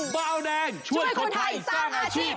เบาแดงช่วยคนไทยสร้างอาชีพ